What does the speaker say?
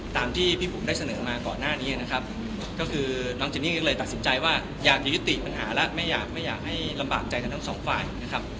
ตามที่พี่บุ๋มได้เสนอมาก่อนหน้านี้นะครับก็คือน้องเจนนี่ก็เลยตัดสินใจว่าอยากจะยุติปัญหาแล้วไม่อยากไม่อยากให้ลำบากใจกันทั้งสองฝ่ายนะครับ